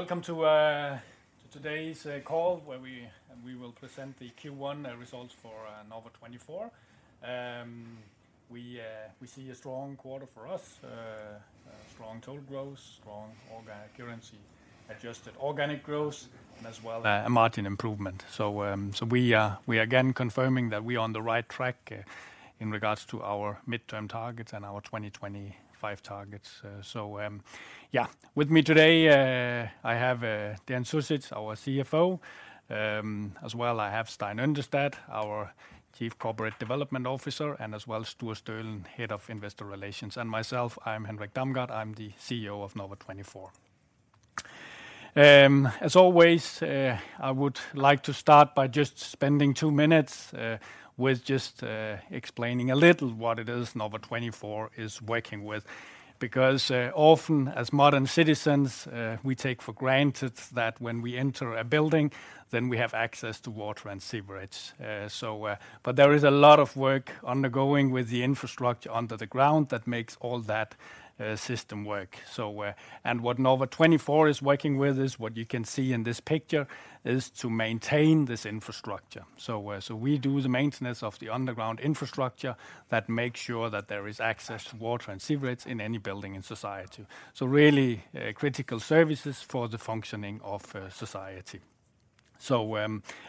Welcome to today's call where we will present the Q1 results for Norva24. We see a strong quarter for us. Strong total growth, strong organic currency adjusted organic growth and as well a margin improvement. We are again confirming that we are on the right track in regards to our midterm targets and our 2025 targets. With me today, I have Dean Zuzic, our CFO. As well I have Stein Yndestad, our Chief Corporate Development Officer, and as well Sture Stölen, Head of Investor Relations. Myself, I'm Henrik Damgaard, I'm the CEO of Norva24. As always, I would like to start by just spending 2 minutes with just explaining a little what it is Norva24 is working with. Often as modern citizens, we take for granted that when we enter a building, we have access to water and sewerage. There is a lot of work undergoing with the infrastructure under the ground that makes all that system work. What Norva24 is working with is what you can see in this picture is to maintain this infrastructure. We do the maintenance of the underground infrastructure that makes sure that there is access to water and sewerage in any building in society. Critical services for the functioning of society.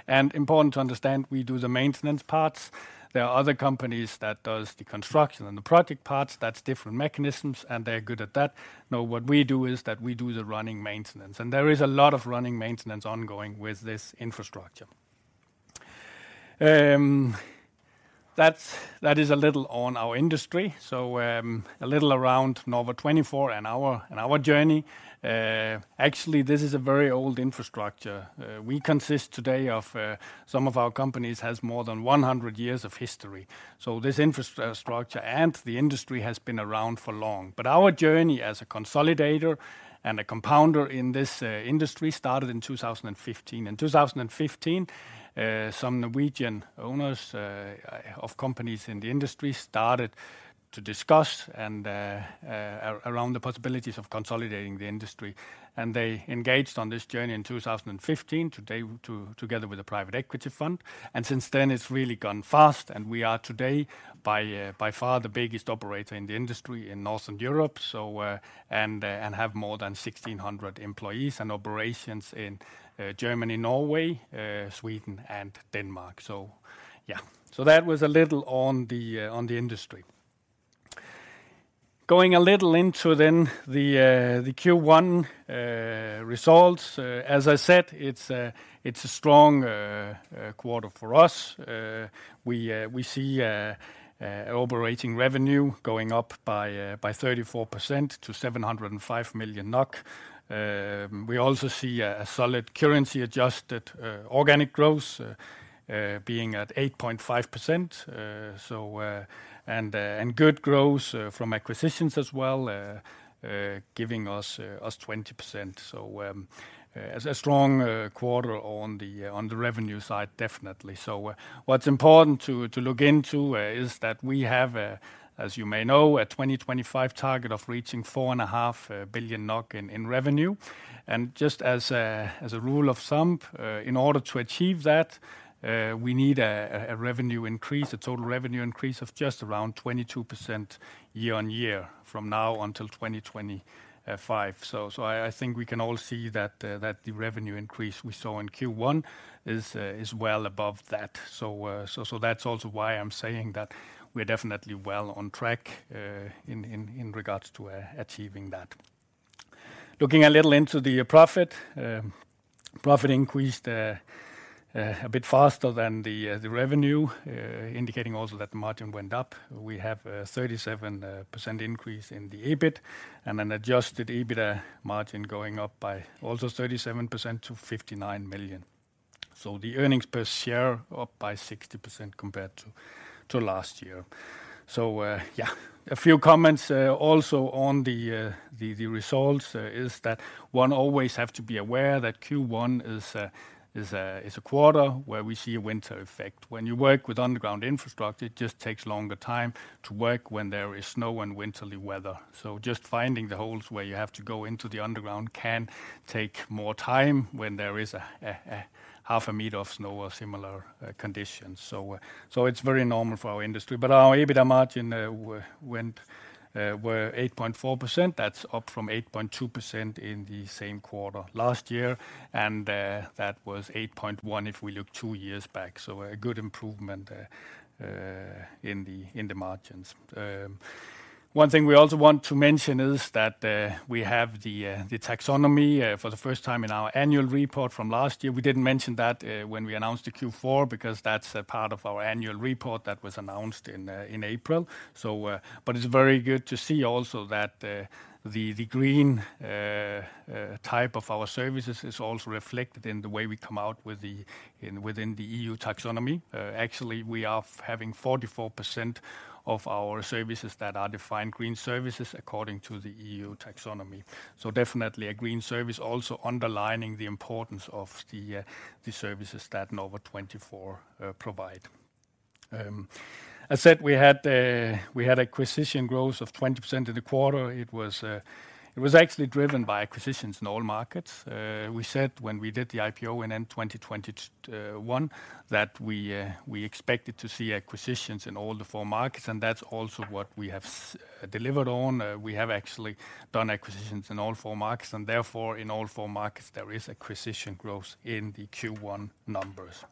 Important to understand, we do the maintenance parts. There are other companies that does the construction and the project parts, that's different mechanisms, and they're good at that. What we do is that we do the running maintenance. There is a lot of running maintenance ongoing with this infrastructure. That is a little on our industry. A little around Norva24 and our journey. Actually this is a very old infrastructure. We consist today of some of our companies has more than 100 years of history. This infrastructure and the industry has been around for long. Our journey as a consolidator and a compounder in this industry started in 2015. In 2015, some Norwegian owners of companies in the industry started to discuss and around the possibilities of consolidating the industry. They engaged on this journey in 2015 today together with a private equity fund. Since then, it's really gone fast and we are today by far the biggest operator in the industry in Northern Europe. Have more than 1,600 employees and operations in Germany, Norway, Sweden and Denmark. That was a little on the industry. Going a little into then the Q1 results. As I said, it's a strong quarter for us. We see operating revenue going up by 34% to 705 million NOK. We also see a solid currency adjusted organic growth being at 8.5%. Good growth from acquisitions as well giving us 20%. It's a strong quarter on the revenue side, definitely. What's important to look into is that we have, as you may know, a 2025 target of reaching 4.5 billion NOK in revenue. Just as a rule of thumb, in order to achieve that, we need a total revenue increase of just around 22% year-on-year from now until 2025. I think we can all see that the revenue increase we saw in Q1 is well above that. That's also why I'm saying that we're definitely well on track in regards to achieving that. Looking a little into the profit. Profit increased a bit faster than the revenue, indicating also that margin went up. We have a 37% increase in the EBIT and an adjusted EBITDA margin going up by also 37% to 59 million. The earnings per share up by 60% compared to last year. A few comments also on the results is that one always have to be aware that Q1 is a quarter where we see a winter effect. When you work with underground infrastructure, it just takes longer time to work when there is snow and winterly weather. Just finding the holes where you have to go into the underground can take more time when there is a half a meter of snow or similar conditions. It's very normal for our industry. Our EBITDA margin were 8.4%. That's up from 8.2% in the same quarter last year. That was 8.1% if we look two years back. A good improvement in the margins. One thing we also want to mention is that we have the taxonomy for the first time in our annual report from last year. We didn't mention that when we announced the Q4 because that's a part of our annual report that was announced in April. It's very good to see also that the green type of our services is also reflected in the way we come out with the, in within the EU taxonomy. Actually, we are having 44% of our services that are defined green services according to the EU taxonomy. Definitely a green service also underlining the importance of the services that Norva24 provide. I said we had acquisition growth of 20% in the quarter. It was actually driven by acquisitions in all markets. We said when we did the IPO in end 2021 that we expected to see acquisitions in all the four markets, and that's also what we have delivered on. We have actually done acquisitions in all four markets, and therefore, in all four markets, there is acquisition growth in the Q1 numbers.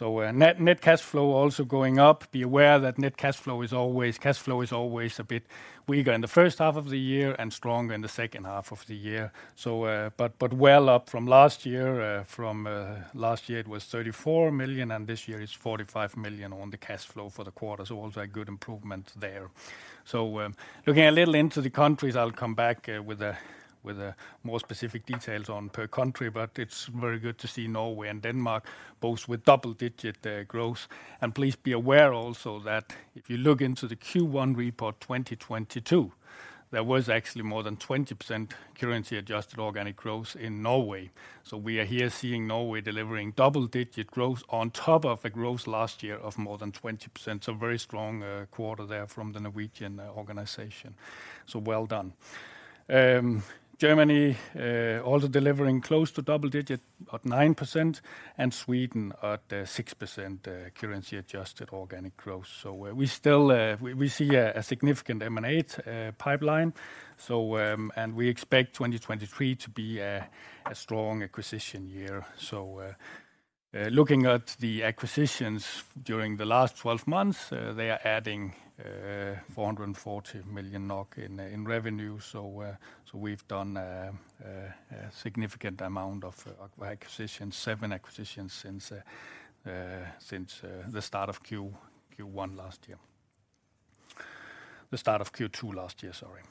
Net cash flow also going up. Be aware that net cash flow is always, cash flow is always a bit weaker in the first half of the year and stronger in the second half of the year. But well up from last year. From last year, it was 34 million, and this year it's 45 million on the cash flow for the quarter, so also a good improvement there. Looking a little into the countries, I'll come back with the more specific details on per country, but it's very good to see Norway and Denmark both with double-digit growth. Please be aware also that if you look into the Q1 report 2022, there was actually more than 20% currency-adjusted organic growth in Norway. We are here seeing Norway delivering double-digit growth on top of a growth last year of more than 20%. Very strong quarter there from the Norwegian organization. Well done. Germany also delivering close to double digit, about 9%, and Sweden at 6% currency-adjusted organic growth. We still see a significant M&A pipeline. We expect 2023 to be a strong acquisition year. Looking at the acquisitions during the last 12 months, they are adding 440 million NOK in revenue. We've done a significant amount of acquisitions, seven acquisitions since the start of Q1 last year. The start of Q2 last year, sorry.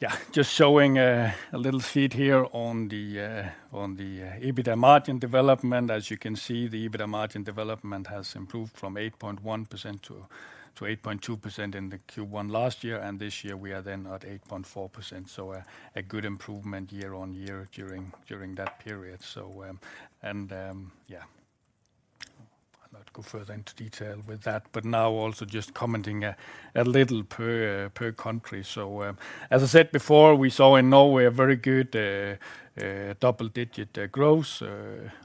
Yeah. Just showing a little sheet here on the on the EBITDA margin development. As you can see, the EBITDA margin development has improved from 8.1% to 8.2% in the Q1 last year, and this year we are then at 8.4%. A good improvement year on year during that period. And, yeah. I'll not go further into detail with that, but now also just commenting a little per country. As I said before, we saw in Norway a very good double-digit growth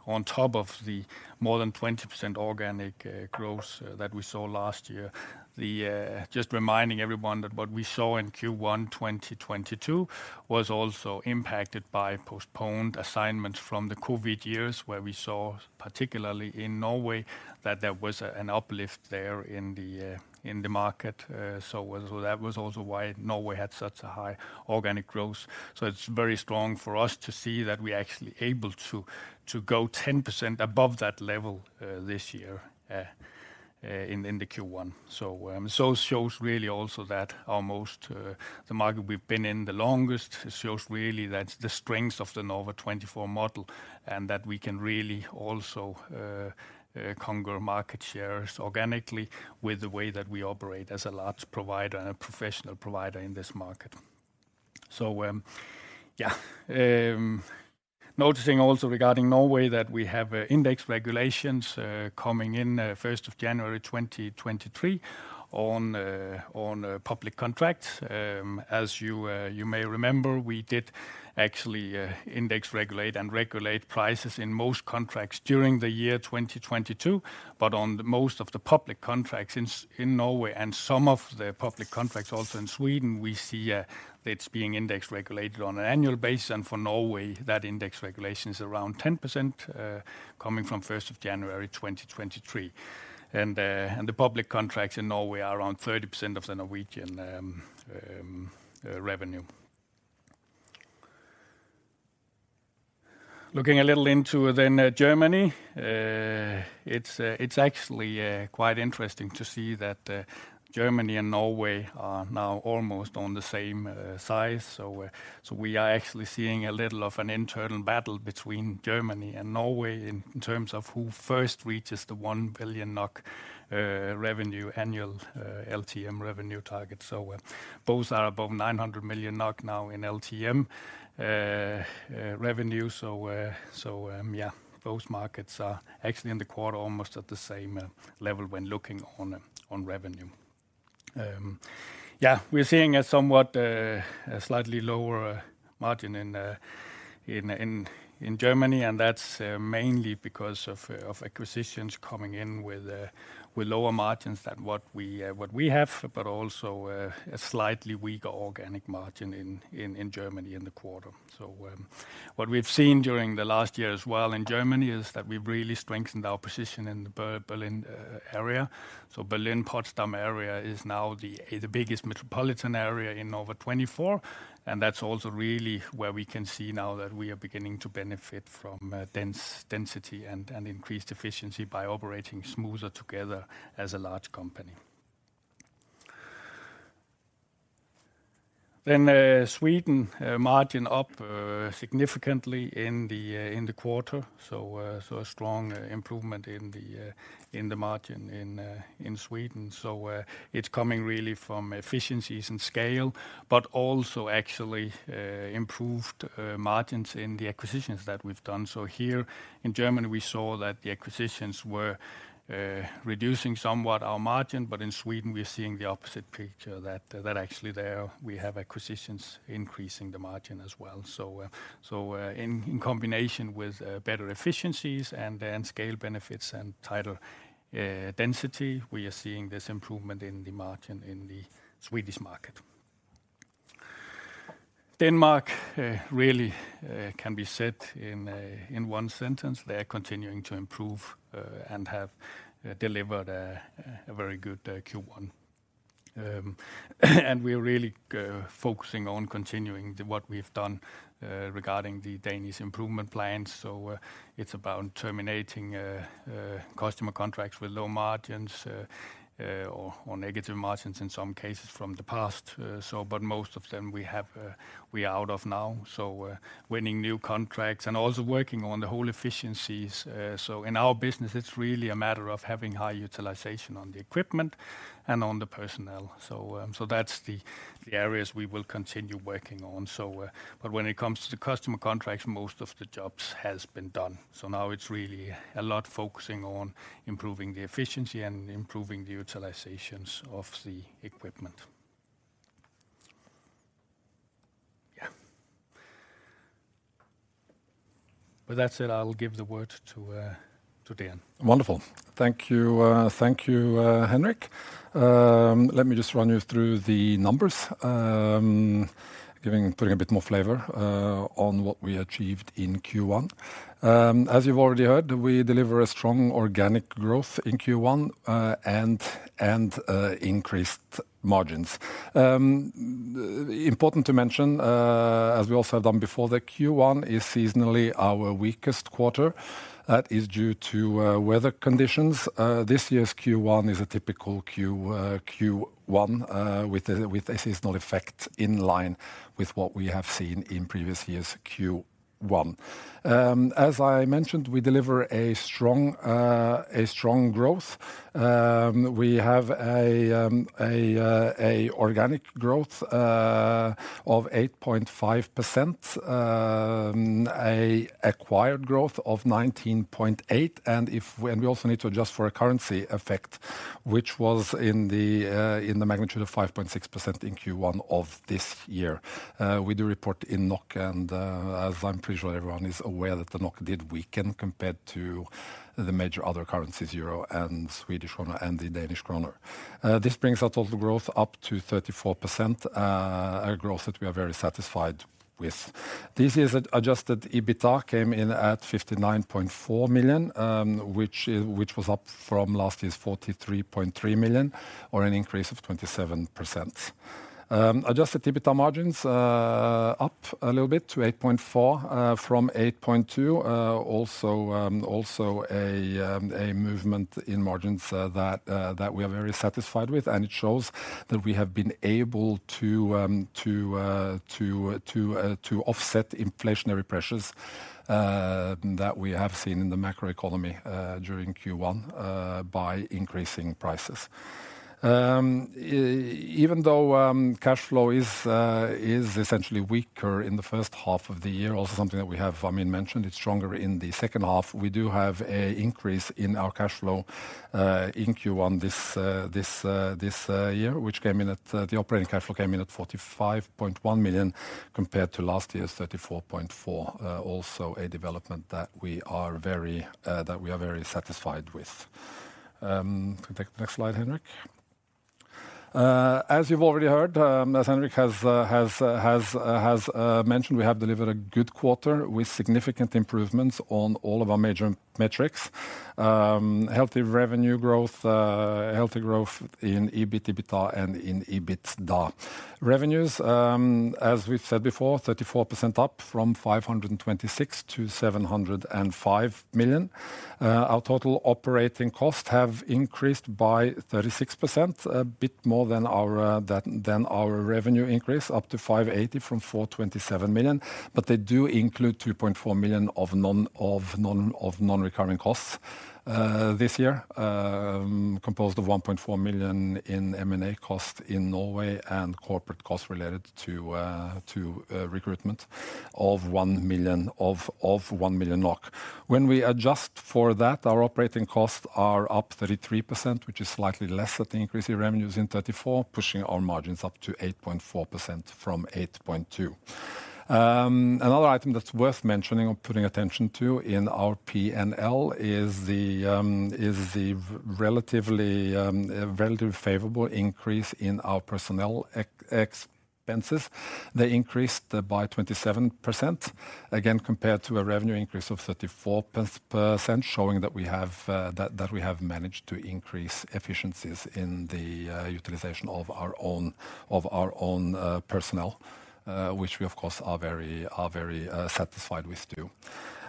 on top of the more than 20% organic growth that we saw last year. The... Just reminding everyone that what we saw in Q1 2022 was also impacted by postponed assignments from the COVID years, where we saw, particularly in Norway, that there was an uplift there in the market. That was also why Norway had such a high organic growth. It's very strong for us to see that we're actually able to go 10% above that level, this year in the Q1. It shows really also that almost the market we've been in the longest, it shows really that the strength of the Norva24 model, and that we can really also conquer market shares organically with the way that we operate as a large provider and a professional provider in this market. Yeah. Noticing also regarding Norway that we have index regulations coming in first of January 2023 on public contracts. As you may remember, we did actually index regulate and regulate prices in most contracts during the year 2022. On the most of the public contracts in Norway and some of the public contracts also in Sweden, we see it's being index regulated on an annual basis. For Norway, that index regulation is around 10% coming from first of January 2023. The public contracts in Norway are around 30% of the Norwegian revenue. Looking a little into Germany. It's actually quite interesting to see that Germany and Norway are now almost on the same size. We are actually seeing a little of an internal battle between Germany and Norway in terms of who first reaches the 1 billion NOK revenue annual LTM revenue target. Both are above 900 million NOK now in LTM revenue. Yeah. Both markets are actually in the quarter almost at the same level when looking on revenue. Yeah. We're seeing a somewhat slightly lower margin in Germany, and that's mainly because of acquisitions coming in with lower margins than what we have, but also a slightly weaker organic margin in Germany in the quarter. What we've seen during the last year as well in Germany is that we've really strengthened our position in the Berlin area. Berlin-Potsdam area is now the biggest metropolitan area in Norva24, and that's also really where we can see now that we are beginning to benefit from density and increased efficiency by operating smoother together as a large company. Sweden, margin up significantly in the quarter, so a strong improvement in the margin in Sweden. It's coming really from efficiencies and scale, but also actually improved margins in the acquisitions that we've done. Here in Germany, we saw that the acquisitions were reducing somewhat our margin, but in Sweden, we're seeing the opposite picture that actually there we have acquisitions increasing the margin as well. In combination with better efficiencies and then scale benefits and tighter density, we are seeing this improvement in the margin in the Swedish market. Denmark really can be said in one sentence. They're continuing to improve and have delivered a very good Q1. And we're really focusing on continuing what we've done regarding the Danish improvement plans. It's about terminating customer contracts with low margins or negative margins in some cases from the past. Most of them we have, we are out of now, winning new contracts and also working on the whole efficiencies. In our business, it's really a matter of having high utilization on the equipment and on the personnel. That's the areas we will continue working on. When it comes to the customer contracts, most of the jobs has been done. Now it's really a lot focusing on improving the efficiency and improving the utilizations of the equipment. With that said, I'll give the word to Dean. Wonderful. Thank you. Thank you, Henrik. Let me just run you through the numbers, putting a bit more flavor on what we achieved in Q1. As you've already heard, we deliver a strong organic growth in Q1 and increased margins. Important to mention, as we also have done before, that Q1 is seasonally our weakest quarter. That is due to weather conditions. This year's Q1 is a typical Q1 with the seasonal effect in line with what we have seen in previous years' Q1. As I mentioned, we deliver a strong growth. We have a organic growth of 8.5%, a acquired growth of 19.8%. And if... We also need to adjust for a currency effect, which was in the magnitude of 5.6% in Q1 of this year. We do report in NOK, and as I'm pretty sure everyone is aware that the NOK did weaken compared to the major other currencies, euro and Swedish krona and the Danish krona. This brings our total growth up to 34%, a growth that we are very satisfied with. This year's adjusted EBITA came in at 59.4 million, which was up from last year's 43.3 million, or an increase of 27%. Adjusted EBITA margins, up a little bit to 8.4%, from 8.2%. Also a movement in margins that we are very satisfied with, and it shows that we have been able to offset inflationary pressures that we have seen in the macro economy during Q1 by increasing prices. Even though cash flow is essentially weaker in the first half of the year, also something that we have, I mean, mentioned, it's stronger in the second half. We do have a increase in our cash flow in Q1 this year, which came in at the operating cash flow came in at 45.1 million compared to last year's 34.4 million. Also a development that we are very that we are very satisfied with. Can you take the next slide, Henrik? As you've already heard, as Henrik has mentioned, we have delivered a good quarter with significant improvements on all of our major metrics. Healthy revenue growth, healthy growth in EBIT, EBITA, and in EBITDA. Revenues, as we've said before, 34% up from 526 million to 705 million. Our total operating costs have increased by 36%, a bit more than our revenue increase, up to 580 million from 427 million. They do include 2.4 million of non-recurring costs this year, composed of 1.4 million in M&A costs in Norway and corporate costs related to recruitment of 1 million. When we adjust for that, our operating costs are up 33%, which is slightly less at the increase in revenues in 34%, pushing our margins up to 8.4% from 8.2%. Another item that's worth mentioning or putting attention to in our P&L is the relatively favorable increase in our personnel expenses. They increased by 27%, again, compared to a revenue increase of 34%, showing that we have managed to increase efficiencies in the utilization of our own personnel. Which we, of course, are very satisfied with too.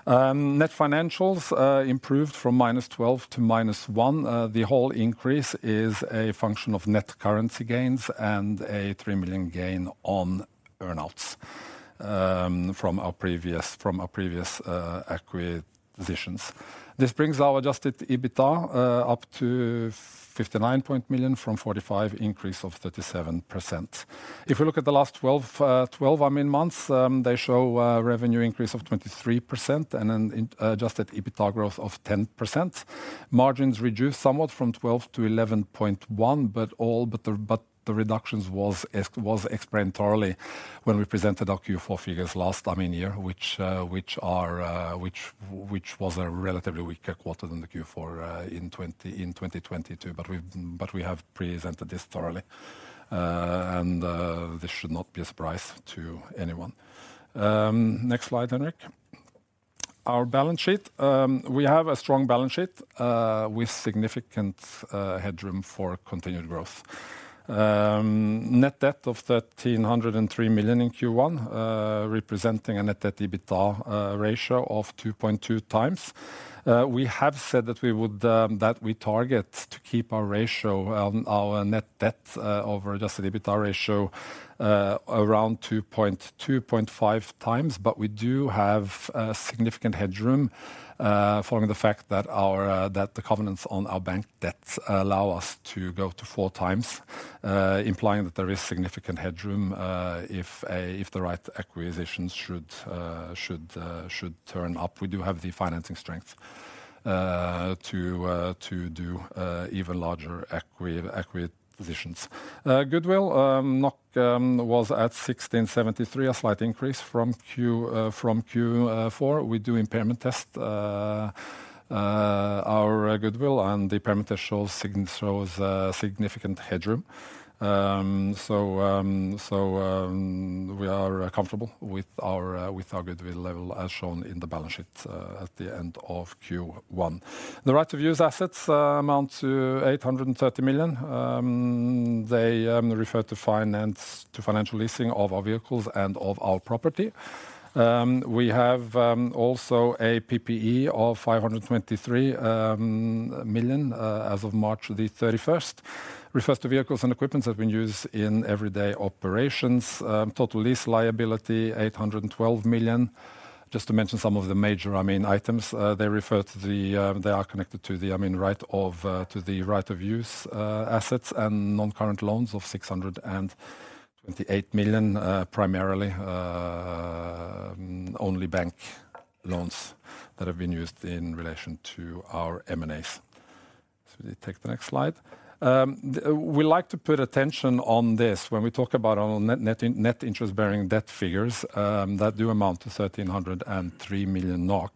Net financials improved from -12 to -1. The whole increase is a function of net currency gains and a 3 million gain on earn outs from our previous acquisitions. This brings our adjusted EBITDA up to 59.0 million from 45, increase of 37%. If you look at the last 12, I mean, months, they show a revenue increase of 23% and an adjusted EBITDA growth of 10%. Margins reduced somewhat from 12 to 11.1, but the reductions was explained thoroughly when we presented our Q4 figures last, I mean, year, which was a relatively weaker quarter than the Q4 in 2022. We have presented this thoroughly. This should not be a surprise to anyone. Next slide, Henrik. Our balance sheet. We have a strong balance sheet with significant headroom for continued growth. Net debt of 1,303 million in Q1, representing a net debt EBITDA ratio of 2.2x. We have said that we would target to keep our ratio on our net debt over adjusted EBITDA ratio around 2.5x. We do have a significant headroom following the fact that our covenants on our bank debts allow us to go to 4x, implying that there is significant headroom if the right acquisitions should turn up. We do have the financing strength to do even larger acquisitions. Goodwill, NOK was at 1,673, a slight increase from Q from Q four. We do impairment test our goodwill, and the impairment test shows significant headroom. We are comfortable with our with our goodwill level as shown in the balance sheet at the end of Q1. The right to use assets amount to 830 million. They refer to financial leasing of our vehicles and of our property. We have also a PPE of 523 million as of March the thirty-first. Refers to vehicles and equipment that have been used in everyday operations. Total lease liability, 812 million. Just to mention some of the major, I mean, items, they refer to the, they are connected to the, I mean, right of use assets and non-current loans of 628 million, primarily only bank loans that have been used in relation to our M&As. Take the next slide. We like to put attention on this when we talk about our net interest-bearing debt figures, that do amount to 1,303 million NOK.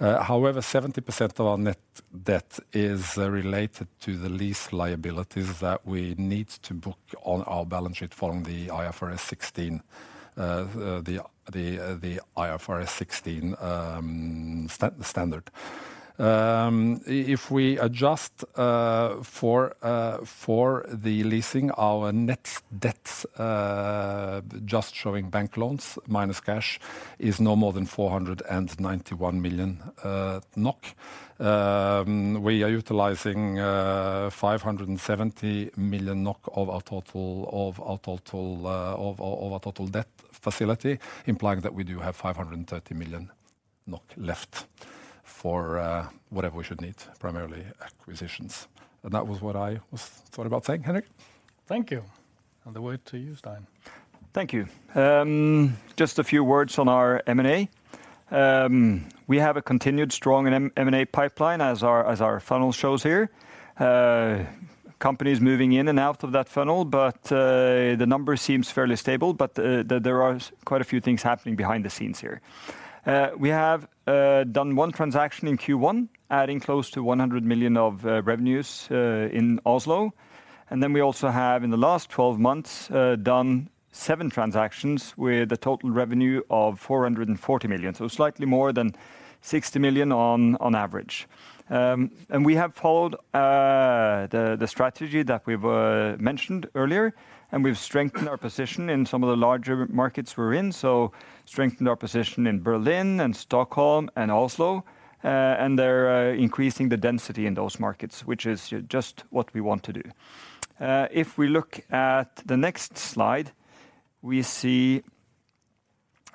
However, 70% of our net debt is related to the lease liabilities that we need to book on our balance sheet following the IFRS 16, the IFRS 16 standard. If we adjust for the leasing, our net debts, just showing bank loans minus cash, is no more than 491 million NOK. We are utilizing 570 million NOK of our total debt facility, implying that we do have 530 million NOK left for whatever we should need, primarily acquisitions. That was what I was thought about saying, Henrik. Thank you. The word to you, Stein. Thank you. Just a few words on our M&A. We have a continued strong M&A pipeline as our, as our funnel shows here. Companies moving in and out of that funnel, but the number seems fairly stable, but there are quite a few things happening behind the scenes here. We have done one transaction in Q1, adding close to 100 million of revenues in Oslo. We also have, in the last 12 months, done seven transactions with a total revenue of 440 million, so slightly more than 60 million on average. We have followed, the strategy that we've mentioned earlier, and we've strengthened our position in some of the larger markets we're in, so strengthened our position in Berlin and Stockholm and Oslo, and they're increasing the density in those markets, which is just what we want to do. If we look at the next slide, we see,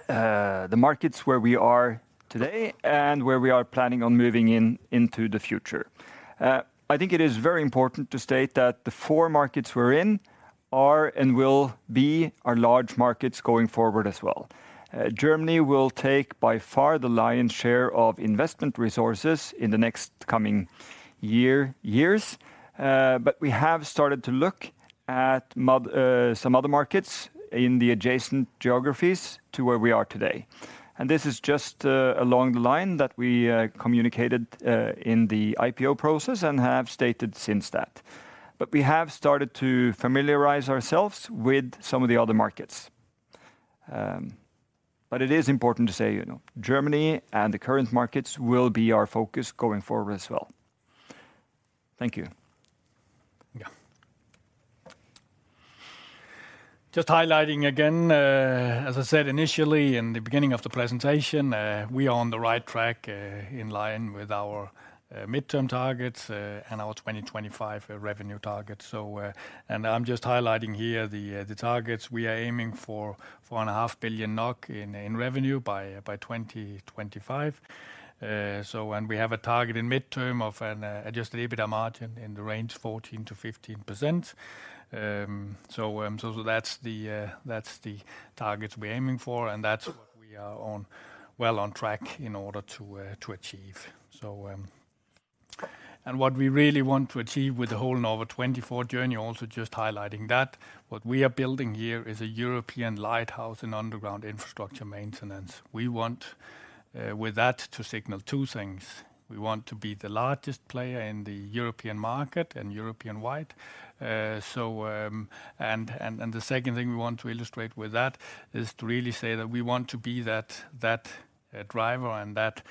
the markets where we are today and where we are planning on moving in into the future. I think it is very important to state that the four markets we're in are and will be our large markets going forward as well. Germany will take by far the lion's share of investment resources in the next coming year, years. We have started to look at some other markets in the adjacent geographies to where we are today. This is just along the line that we communicated in the IPO process and have stated since that. We have started to familiarize ourselves with some of the other markets. It is important to say, you know, Germany and the current markets will be our focus going forward as well. Thank you. Yeah. Just highlighting again, as I said initially in the beginning of the presentation, we are on the right track, in line with our midterm targets, and our 2025 revenue targets. I'm just highlighting here the targets. We are aiming for, 4.5 billion NOK in revenue by 2025. We have a target in midterm of an adjusted EBITDA margin in the range 14%-15%. That's the targets we're aiming for, and that's what we are well on track in order to achieve. What we really want to achieve with the whole Norva24 journey, also just highlighting that what we are building here is a European lighthouse in underground infrastructure maintenance. We want with that to signal two things. We want to be the largest player in the European market and European-wide. And the second thing we want to illustrate with that is to really say that we want to be that driver and that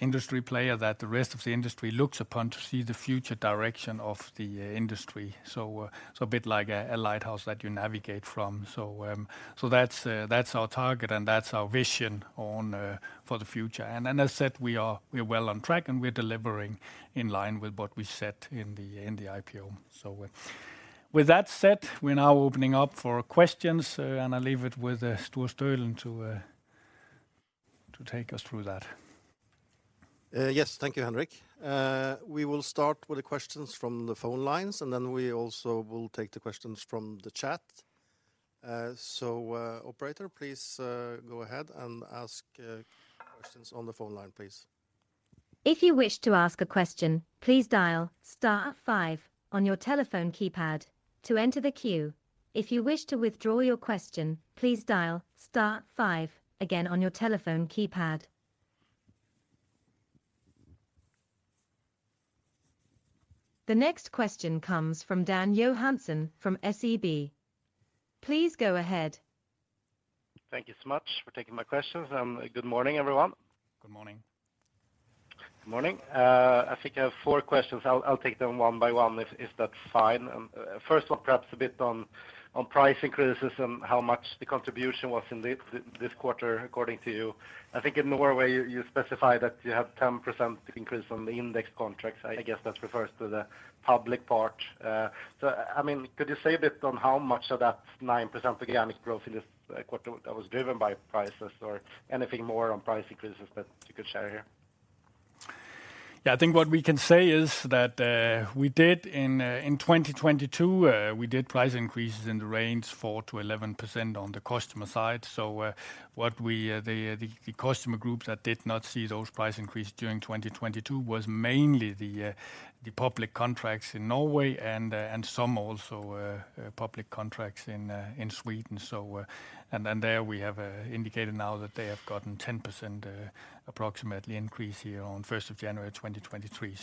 industry player that the rest of the industry looks upon to see the future direction of the industry. A bit like a lighthouse that you navigate from. That's our target and that's our vision on for the future. And as I said, we are, we're well on track and we're delivering in line with what we set in the IPO. With that said, we're now opening up for questions, and I leave it with Sture Stölen to take us through that. Yes. Thank you, Henrik. We will start with the questions from the phone lines, and then we also will take the questions from the chat. Operator, please, go ahead and ask questions on the phone line, please. If you wish to ask a question, please dial star five on your telephone keypad to enter the queue. If you wish to withdraw your question, please dial star five again on your telephone keypad. The next question comes from Dan Johansson from SEB. Please go ahead. Thank you so much for taking my questions, and good morning, everyone. Good morning. Good morning. I think I have four questions. I'll take them one by one if that's fine. First one, perhaps a bit on price increases and how much the contribution was in this quarter according to you. I think in Norway you specify that you have 10% increase on the index contracts. I guess that refers to the public part. I mean, could you say a bit on how much of that 9% organic growth in this quarter that was driven by prices or anything more on price increases that you could share here? Yeah. I think what we can say is that, we did in, 2022, we did price increases in the range 4%-11% on the customer side. What we, the customer groups that did not see those price increases during 2022 was mainly the public contracts in Norway and some also, public contracts in Sweden. Then there we have, indicated now that they have gotten 10%, approximately increase here on January 1, 2023.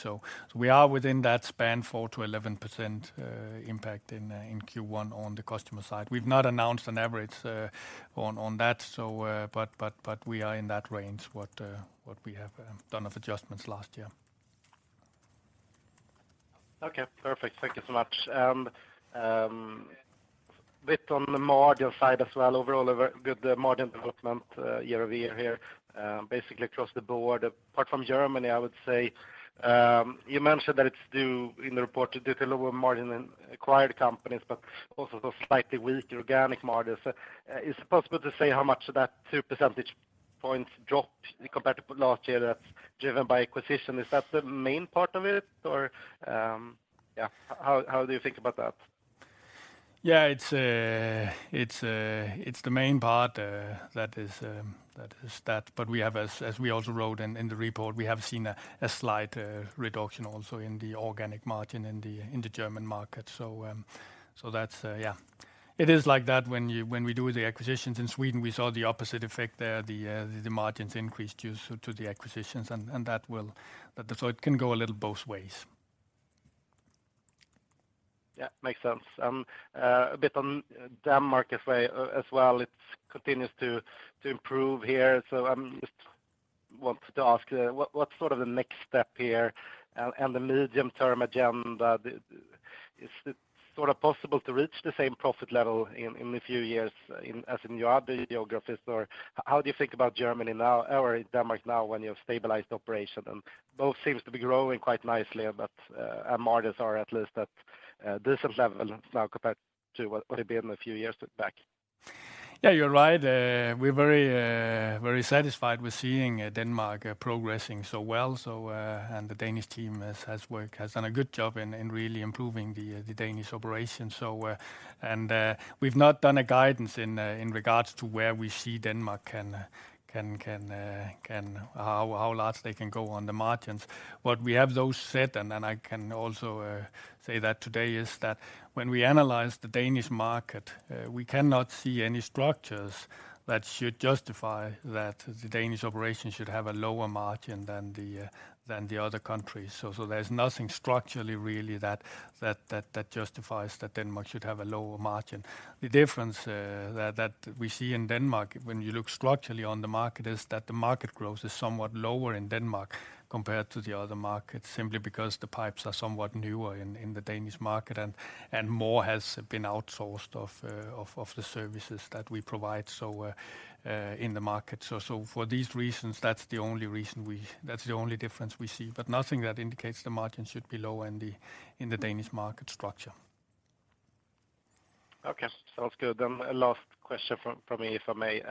We are within that span, 4%-11%, impact in Q1 on the customer side. We've not announced an average, on that, so, but we are in that range, what we have done of adjustments last year. Okay. Perfect. Thank you so much. Bit on the margin side as well. Overall a very good margin development, year-over-year here, basically across the board. Apart from Germany, I would say, you mentioned that it's due in the report due to lower margin in acquired companies, but also slightly weak organic margins. Is it possible to say how much of that 2 percentage points dropped compared to last year that's driven by acquisition? Is that the main part of it or. Yeah. How, how do you think about that? Yeah, it's the main part that is that. We have, as we also wrote in the report, we have seen a slight reduction also in the organic margin in the German market. That's yeah. It is like that when we do the acquisitions. In Sweden, we saw the opposite effect there. The margins increased due to the acquisitions. It can go a little both ways. Yeah. Makes sense. A bit on Denmark as well. As well, it's continues to improve here. I'm just want to ask, what's sort of the next step here and the medium-term agenda? Is it sort of possible to reach the same profit level in a few years in, as in your other geographies? Or how do you think about Germany now or Denmark now when you have stabilized operation? Both seems to be growing quite nicely, but, and margins are at least at decent levels now compared to what it been a few years back. Yeah, you're right. We're very satisfied with seeing Denmark progressing so well. And the Danish team has worked, has done a good job in really improving the Danish operations. And we've not done a guidance in regards to where we see Denmark can... How large they can go on the margins. What we have, though, said, and then I can also say that today, is that when we analyze the Danish market, we cannot see any structures that should justify that the Danish operations should have a lower margin than the other countries. There's nothing structurally really that justifies that Denmark should have a lower margin. The difference that we see in Denmark when you look structurally on the market, is that the market growth is somewhat lower in Denmark compared to the other markets, simply because the pipes are somewhat newer in the Danish market and more has been outsourced of the services that we provide in the market. For these reasons, that's the only difference we see, but nothing that indicates the margin should be low in the Danish market structure. Okay. Sounds good. A last question from me, if I may.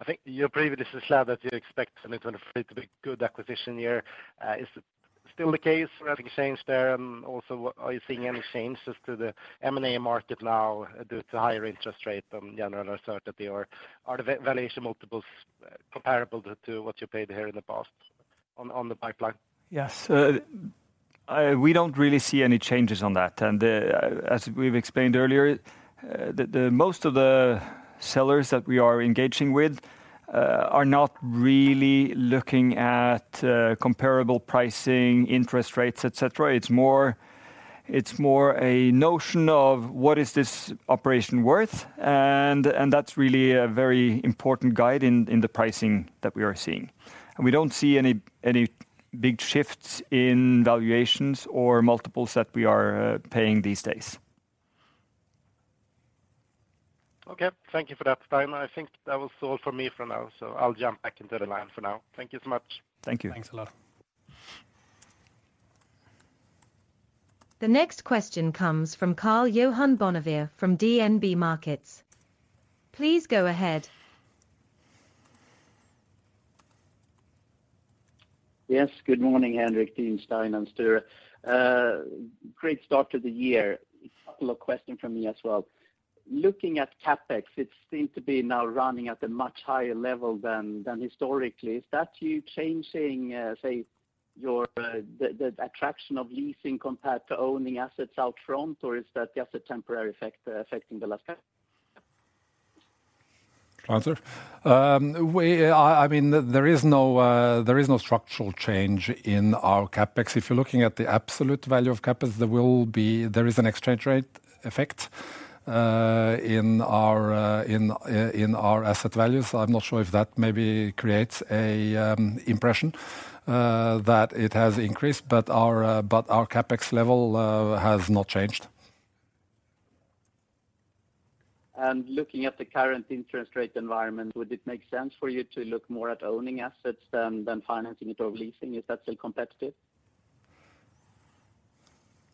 I think you previewed this slide that you expect 2023 to be a good acquisition year. Is it still the case? Or have things changed there? Also are you seeing any changes to the M&A market now due to higher interest rates and general uncertainty? Or are the valuation multiples comparable to what you paid here in the past on the pipeline? Yes. We don't really see any changes on that. As we've explained earlier, the most of the sellers that we are engaging with, are not really looking at comparable pricing, interest rates, et cetera. It's more a notion of what is this operation worth, and that's really a very important guide in the pricing that we are seeing. We don't see any big shifts in valuations or multiples that we are paying these days. Okay. Thank you for that, Stein. I think that was all for me for now. I'll jump back into the line for now. Thank you so much. Thank you. Thanks a lot. The next question comes from Karl-Johan Bonnevier from DNB Markets. Please go ahead. Yes. Good morning, Henrik, Dean, Stein, and Sture. Great start to the year. A couple of question from me as well. Looking at CapEx, it seems to be now running at a much higher level than historically. Is that you changing, say, your, the attraction of leasing compared to owning assets out front or is that just a temporary effect, affecting the last cap? Answer. I mean, there is no, there is no structural change in our CapEx. If you're looking at the absolute value of CapEx, there is an exchange rate effect in our asset values. I'm not sure if that maybe creates a impression that it has increased, but our CapEx level has not changed. Looking at the current interest rate environment, would it make sense for you to look more at owning assets than financing it or leasing? Is that still competitive?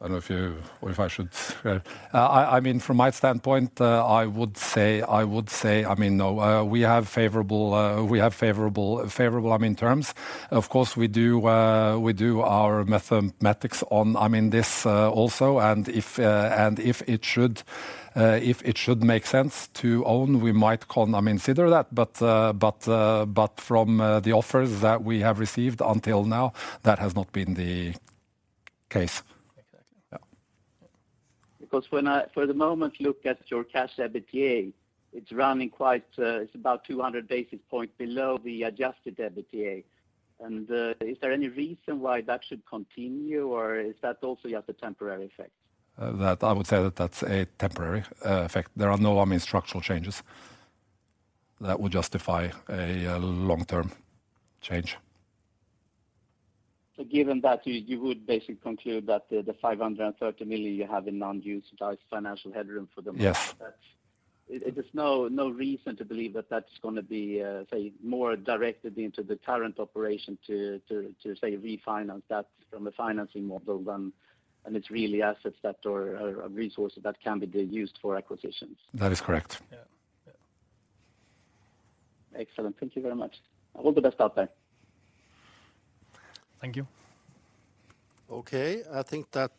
I don't know if you or if I should. I mean, from my standpoint, I would say, I mean, no. We have favorable, I mean, terms. Of course, we do our mathematics on, I mean, this also. If it should make sense to own, we might, I mean, consider that. From the offers that we have received until now, that has not been the case. Exactly. Yeah. When I for the moment look at your Cash EBITDA, it's running quite, it's about 200 basis points below the adjusted EBITDA. Is there any reason why that should continue, or is that also just a temporary effect? That I would say that that's a temporary effect. There are no, I mean, structural changes that would justify a long-term change. Given that, you would basically conclude that the 530 million you have in non-utilized financial headroom for the moment. Yes... that's it is no reason to believe that that's gonna be, say more directed into the current operation to say, refinance that from a financing model than. It's really assets that or resources that can be used for acquisitions. That is correct. Yeah. Yeah. Excellent. Thank you very much. All the best out there. Thank you. Okay, I think that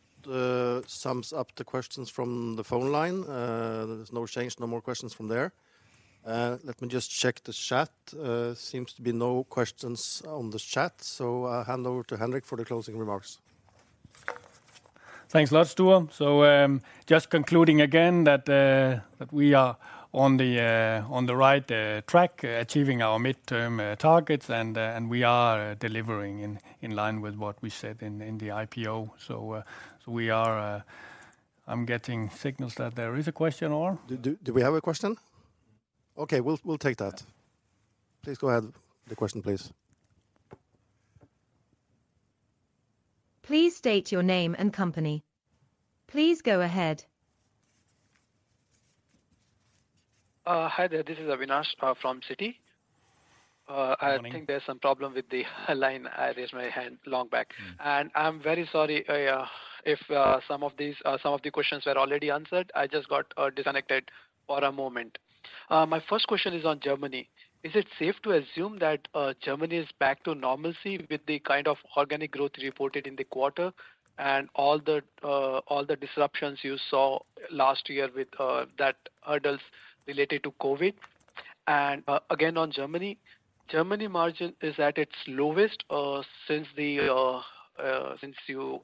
sums up the questions from the phone line. There's no change, no more questions from there. Let me just check the chat. Seems to be no questions on the chat, so I'll hand over to Henrik for the closing remarks. Thanks a lot, Sture. Just concluding again that we are on the right track achieving our midterm targets and we are delivering in line with what we said in the IPO. We are... I'm getting signals that there is a question. Do we have a question? Okay, we'll take that. Please go ahead. The question, please. Please state your name and company. Please go ahead. Hi there. This is Avinash from Citi. Morning. I think there's some problem with the line. I raised my hand long back. Mm-hmm. I'm very sorry, if some of these, some of the questions were already answered. I just got disconnected for a moment. My first question is on Germany. Is it safe to assume that Germany is back to normalcy with the kind of organic growth reported in the quarter and all the disruptions you saw last year with that hurdles related to COVID? Again, on Germany margin is at its lowest since you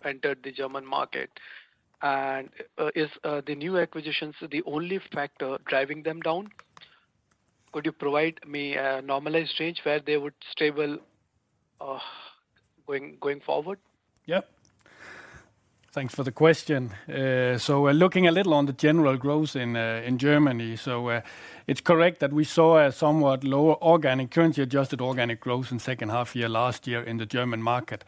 entered the German market. Is the new acquisitions the only factor driving them down? Could you provide me a normalized range where they would stable going forward? Yeah. Thanks for the question. Looking a little on the general growth in Germany. It's correct that we saw a somewhat lower organic, currency-adjusted organic growth in second half year last year in the German market.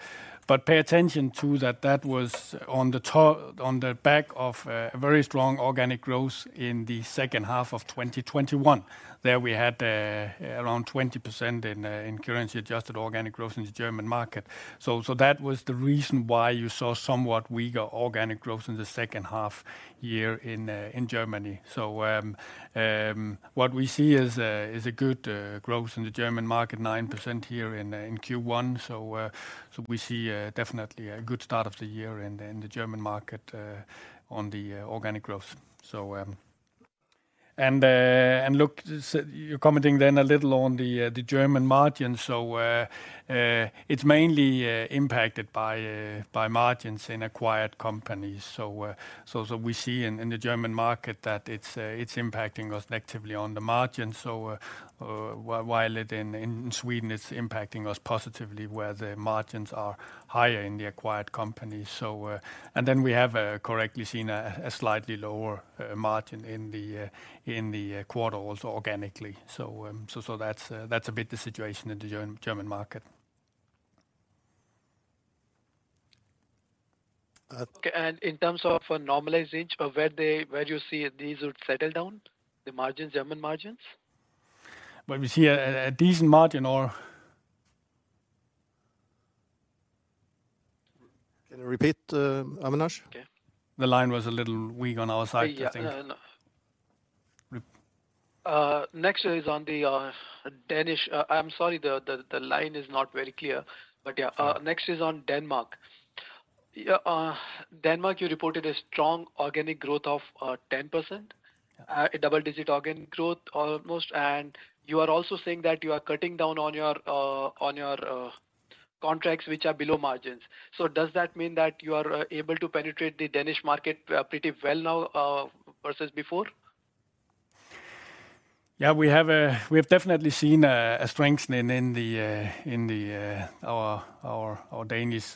Pay attention to that was on the back of a very strong organic growth in the second half of 2021. There we had around 20% in currency-adjusted organic growth in the German market. That was the reason why you saw somewhat weaker organic growth in the second half year in Germany. What we see is a good growth in the German market, 9% here in Q1. We see definitely a good start of the year in the German market on the organic growth. Look, so you're commenting then a little on the German margins. It's mainly impacted by margins in acquired companies. We see in the German market that it's impacting us negatively on the margins. While it in Sweden it's impacting us positively where the margins are higher in the acquired companies. Then we have correctly seen a slightly lower margin in the quarter also organically. That's a bit the situation in the German market. Uh- Okay. In terms of normalization, where do you see these would settle down, the margins, German margins? Well, we see a decent margin or... Can you repeat, Avinash? Okay. The line was a little weak on our side I think. Yeah, yeah, I know. Re- Yeah, next is on Denmark. Yeah, Denmark you reported a strong organic growth of 10%. Yeah. A double-digit organic growth almost, you are also saying that you are cutting down on your on your contracts which are below margins. Does that mean that you are able to penetrate the Danish market pretty well now versus before? We have definitely seen a strengthening in the our Danish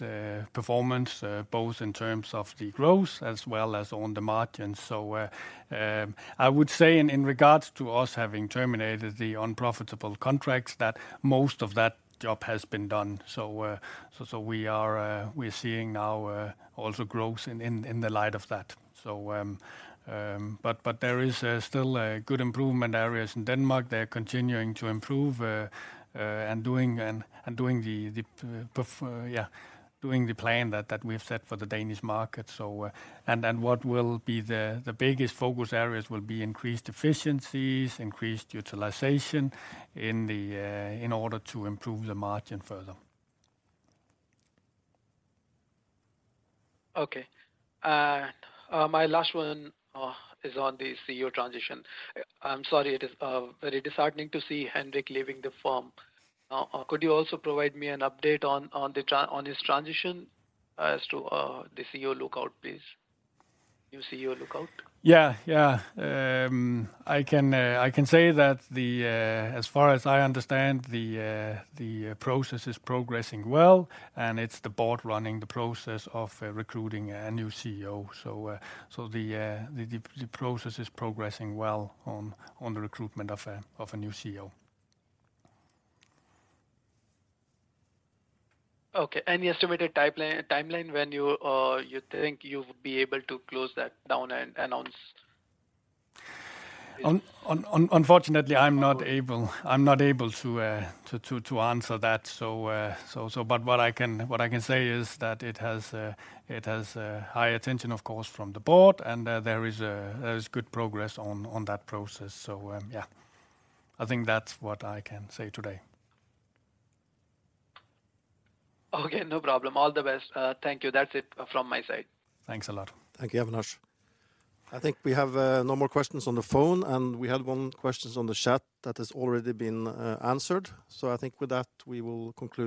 performance both in terms of the growth as well as on the margins. I would say in regards to us having terminated the unprofitable contracts, that most of that job has been done. We are seeing now also growth in the light of that. But there is still good improvement areas in Denmark. They're continuing to improve and doing the plan that we've set for the Danish market. What will be the biggest focus areas will be increased efficiencies, increased utilization in order to improve the margin further. Okay. My last one is on the CEO transition. I'm sorry it is very disheartening to see Henrik leaving the firm. Could you also provide me an update on his transition, as to the CEO lookout, please? New CEO lookout. Yeah, yeah. I can say that as far as I understand, the process is progressing well, and it's the board running the process of recruiting a new CEO. The process is progressing well on the recruitment of a new CEO. Okay. Any estimated timeline when you think you'll be able to close that down and announce? Unfortunately, I'm not able to answer that. What I can say is that it has high attention, of course, from the board and there is good progress on that process. Yeah. I think that's what I can say today. Okay, no problem. All the best. thank you. That's it from my side. Thanks a lot. Thank you, Avinash. I think we have no more questions on the phone, and we had one questions on the chat that has already been answered. I think with that, we will conclude